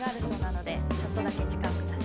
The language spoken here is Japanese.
ちょっとだけ時間下さい。